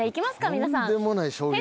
皆さん。